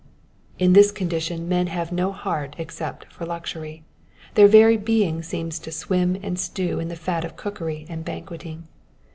In this condition men have no heart except for luxury, their very being seems to swim and stew in the fat of cookery and banqueting.